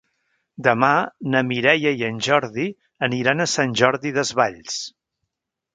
Demà na Mireia i en Jordi aniran a Sant Jordi Desvalls.